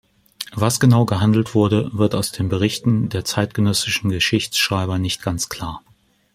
Was genau gehandelt wurde, wird aus den Berichten der zeitgenössischen Geschichtsschreiber nicht ganz klar.